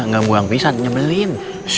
nggak buang pisat nyebelin